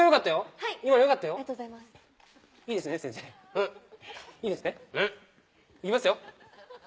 うん。いきますよ。